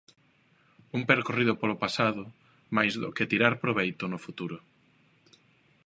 Un percorrido polo pasado mais do que tirar proveito no futuro.